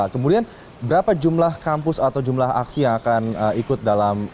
kemudian berapa jumlah kampus atau jumlah aksi yang akan ikut dalam